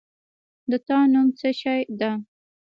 د تا نوم څه شی ده؟